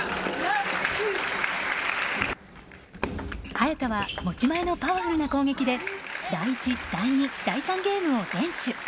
早田は持ち前のパワフルな攻撃で第１、第２、第３ゲームを連取。